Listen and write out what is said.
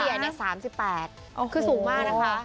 เฉลี่ย๓๘คือสูงมากนะคะ